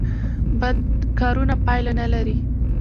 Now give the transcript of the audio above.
بد کارونه پایله نلري